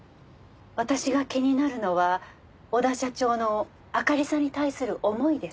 私が気になるのは小田社長のあかりさんに対する思いです。